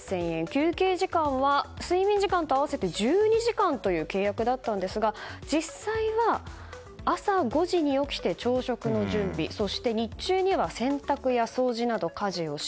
休憩時間は睡眠時間と合わせて１２時間という契約だったんですが実際は朝５時に起きて朝食の準備そして、日中には洗濯や掃除など、家事をし